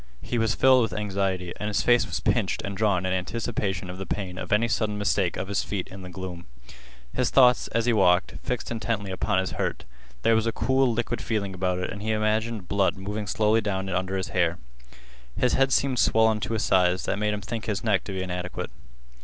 He was filled with anxiety, and his face was pinched and drawn in anticipation of the pain of any sudden mistake of his feet in the gloom. His thoughts, as he walked, fixed intently upon his hurt. There was a cool, liquid feeling about it and he imagined blood moving slowly down under his hair. His head seemed swollen to a size that made him think his neck to be inadequate.